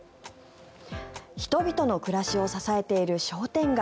人々の暮らしを支えている商店街。